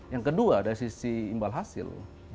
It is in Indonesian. yang kedua dari sisi imbal hasil